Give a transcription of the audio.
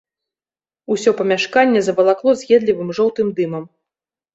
Усё памяшканне завалакло з'едлівым жоўтым дымам.